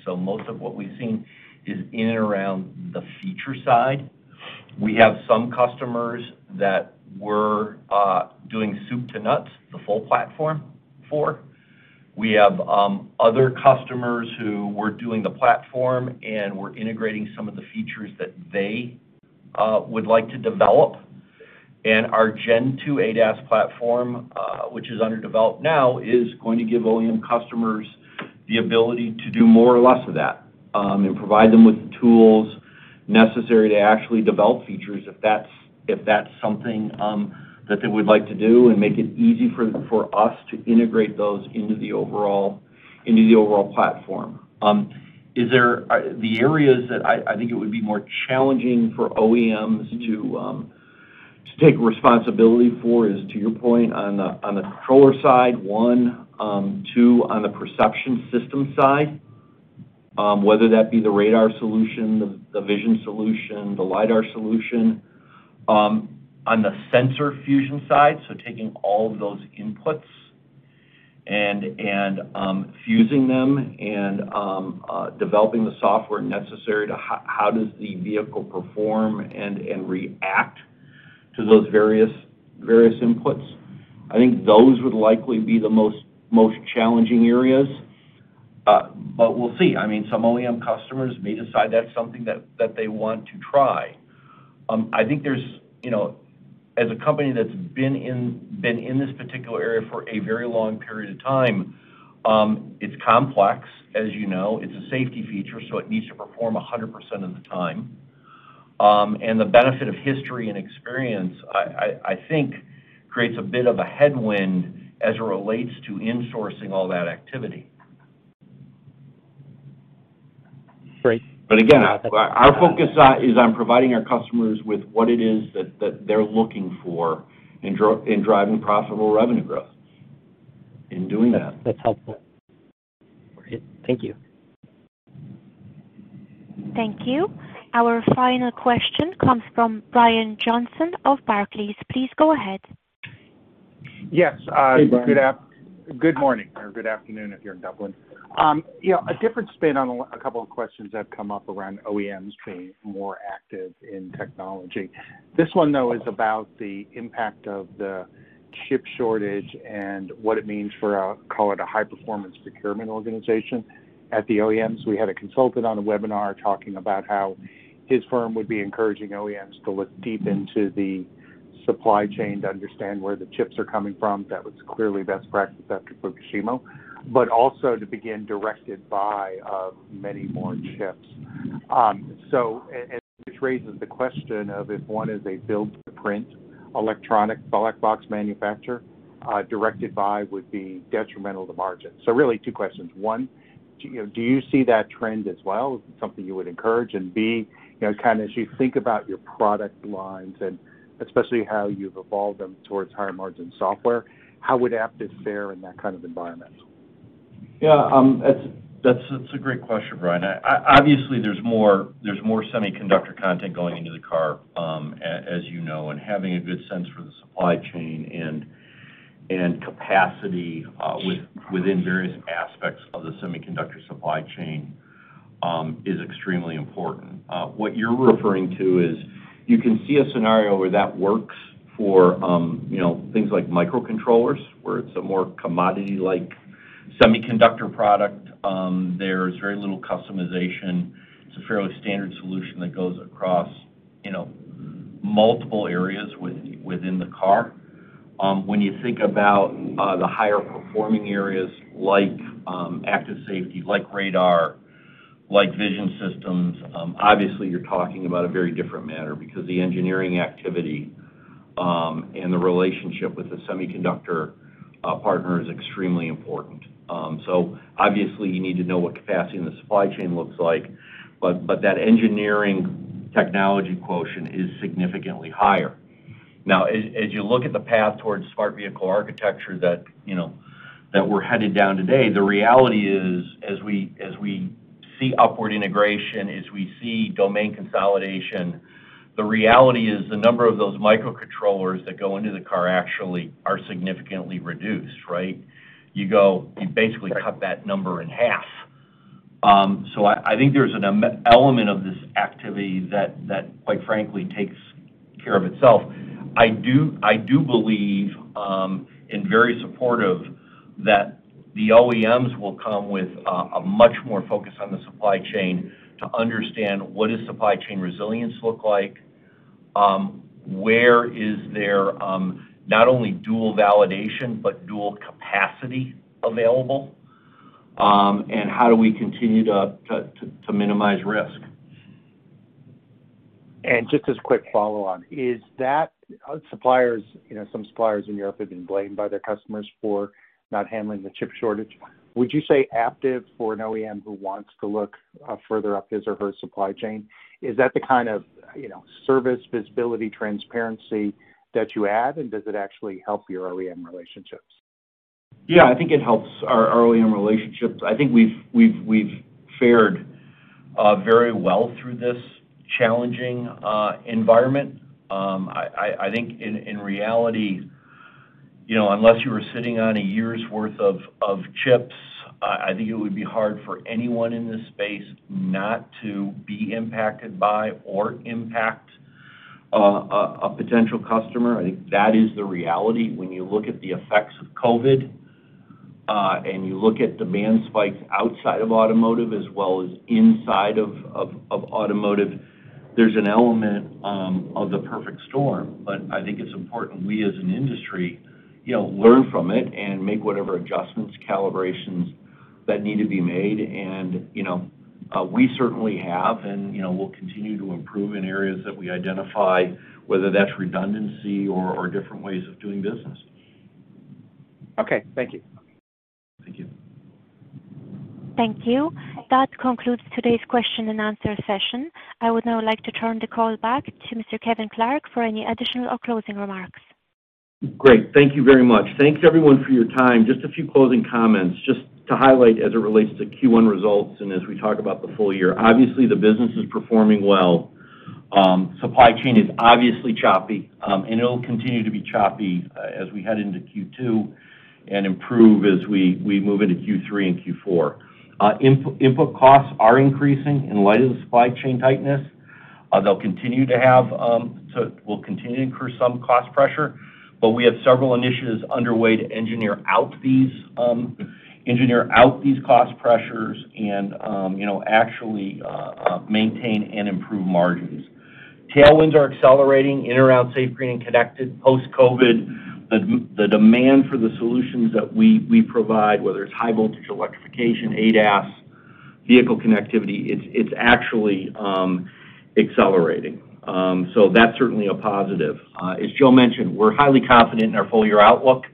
Most of what we've seen is in and around the feature side. We have some customers that we're doing soup to nuts, the full platform for. We have other customers who we're doing the platform and we're integrating some of the features that they would like to develop. Our Gen 2 ADAS platform, which is under development now, is going to give OEM customers the ability to do more or less of that, and provide them with the tools necessary to actually develop features if that's something that they would like to do and make it easy for us to integrate those into the overall platform. The areas that I think it would be more challenging for OEMs to take responsibility for is to your point on the controller side, one, two, on the perception system side, whether that be the radar solution, the vision solution, the lidar solution. On the sensor fusion side, so taking all of those inputs and fusing them and developing the software necessary to how does the vehicle perform and react to those various inputs. I think those would likely be the most challenging areas. We'll see. Some OEM customers may decide that's something that they want to try. I think as a company that's been in this particular area for a very long period of time, it's complex, as you know. It's a safety feature, so it needs to perform 100% of the time. The benefit of history and experience, I think, creates a bit of a headwind as it relates to insourcing all that activity. Great. Again, our focus is on providing our customers with what it is that they're looking for in driving profitable revenue growth in doing that. That's helpful. All right. Thank you. Thank you. Our final question comes from Brian Johnson of Barclays. Please go ahead. Yes. Hey, Brian. Good morning, or good afternoon if you're in Dublin. A different spin on a couple of questions that have come up around OEMs being more active in technology. This one, though, is about the impact of the chip shortage and what it means for, call it, a high-performance procurement organization at the OEMs. We had a consultant on a webinar talking about how his firm would be encouraging OEMs to look deep into the supply chain to understand where the chips are coming from. That was clearly best practice after Fukushima, but also to begin directed by many more chips. This raises the question of if one is a build to print electronic black box manufacturer, directed by would be detrimental to margin. Really 2 questions. One, do you see that trend as well? Is it something you would encourage? B, as you think about your product lines and especially how you've evolved them towards higher margin software, how would Aptiv fare in that kind of environment? Yeah. That's a great question, Brian. There's more semiconductor content going into the car, as you know, and having a good sense for the supply chain and capacity within various aspects of the semiconductor supply chain is extremely important. What you're referring to is you can see a scenario where that works for things like microcontrollers, where it's a more commodity-like semiconductor product. There's very little customization. It's a fairly standard solution that goes across multiple areas within the car. When you think about the higher performing areas like active safety, like radar, like vision systems, you're talking about a very different matter because the engineering activity and the relationship with the semiconductor partner is extremely important. Obviously you need to know what capacity in the supply chain looks like, but that engineering technology quotient is significantly higher. Now, as you look at the path towards Smart Vehicle Architecture that we're headed down today, the reality is as we see upward integration, as we see domain consolidation, the reality is the number of those microcontrollers that go into the car actually are significantly reduced, right? You basically cut that number in half. I think there's an element of this activity that quite frankly takes care of itself. I do believe, and very supportive, that the OEMs will come with a much more focus on the supply chain to understand what does supply chain resilience look like? Where is there not only dual validation, but dual capacity available? How do we continue to minimize risk? Just as a quick follow on, some suppliers in Europe have been blamed by their customers for not handling the chip shortage. Would you say Aptiv, for an OEM who wants to look further up his or her supply chain, is that the kind of service, visibility, transparency that you add, and does it actually help your OEM relationships? Yeah, I think it helps our OEM relationships. I think we've fared very well through this challenging environment. I think in reality, unless you were sitting on a year's worth of chips, I think it would be hard for anyone in this space not to be impacted by or impact a potential customer. I think that is the reality when you look at the effects of COVID-19, and you look at demand spikes outside of automotive as well as inside of automotive. There's an element of the perfect storm, but I think it's important we as an industry learn from it and make whatever adjustments, calibrations that need to be made. We certainly have, and we'll continue to improve in areas that we identify, whether that's redundancy or different ways of doing business. Okay. Thank you. Thank you. Thank you. That concludes today's question and answer session. I would now like to turn the call back to Mr. Kevin Clark for any additional or closing remarks. Great. Thank you very much. Thanks, everyone, for your time. Just a few closing comments, just to highlight as it relates to Q1 results and as we talk about the full year. Obviously, the business is performing well. Supply chain is obviously choppy, and it'll continue to be choppy as we head into Q2 and improve as we move into Q3 and Q4. Input costs are increasing in light of the supply chain tightness. It will continue to increase some cost pressure, but we have several initiatives underway to engineer out these cost pressures and actually maintain and improve margins. Tailwinds are accelerating in around safe, green, and connected post-COVID. The demand for the solutions that we provide, whether it's high voltage electrification, ADAS, vehicle connectivity, it's actually accelerating. That's certainly a positive. As Joe mentioned, we're highly confident in our full-year outlook.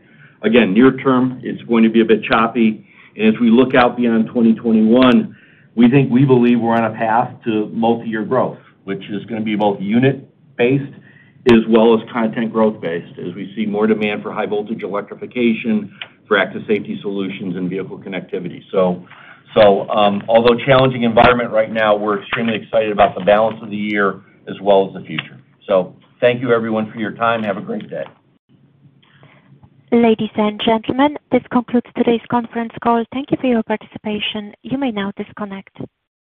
Again, near term, it's going to be a bit choppy. As we look out beyond 2021, we believe we're on a path to multi-year growth, which is going to be both unit-based as well as content growth-based as we see more demand for high voltage electrification, for active safety solutions, and vehicle connectivity. Although challenging environment right now, we're extremely excited about the balance of the year as well as the future. Thank you for your time. Have a great day. Ladies and gentlemen, this concludes today's conference call. Thank you for your participation. You may now disconnect.